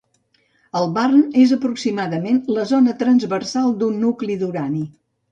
El barn és aproximadament la zona transversal d'un nucli d'urani.